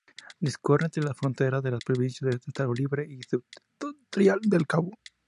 Discurre entre la frontera de las provincias del Estado Libre y Septentrional del Cabo.